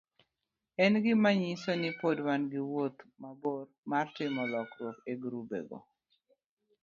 En gima nyiso ni pod wan gi wuoth mabor mar timo lokruok e grubego,